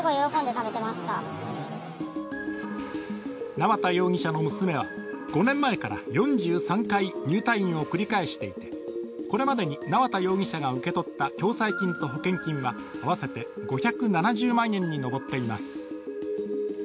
縄田容疑者の娘は、５年前から４３回、入退院を繰り返していてこれまでに縄田容疑者が受け取った共済金と保険金は、合わせて５７０万円に上っています。